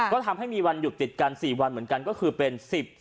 ก็ทำให้มีวันหยุดติดกัน๔วันเหมือนกันก็คือเป็น๑๐